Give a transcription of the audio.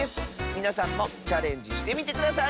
みなさんもチャレンジしてみてください！